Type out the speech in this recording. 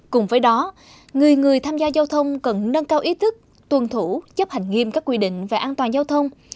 cùng với đó người người tham gia giao thông cần nâng cao ý thức tuân thủ chấp hành nghiêm các quy định về an toàn giao thông